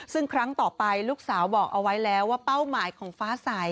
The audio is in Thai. ซึ่งครั้งต่อไปลูกสาวบอกเอาไว้แล้วว่าเป้าหมายของฟ้าใส